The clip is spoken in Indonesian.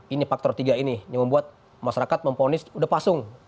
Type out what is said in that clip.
ini faktor tiga ini yang membuat masyarakat memponis udah pasung